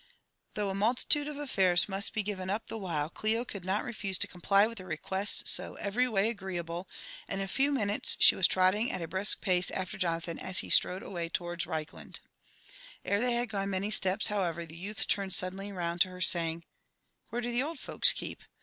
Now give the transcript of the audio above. Though a multitude of affairs must be given up the while, Clio could not refuse to comply with a request so every way agreeable, and in a few minutes she was trotting at a brisk pace after Jonathan as he strode away towards Reichland. , Ere they had gone many steps, however, the youth turned suddenly round to her, saying, "Where do the old folks keep?